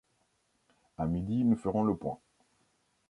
À midi nous ferons le point.